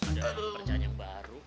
ada yang percaya yang baru